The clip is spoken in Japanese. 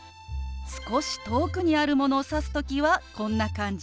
少し遠くにあるものを指す時はこんな感じ。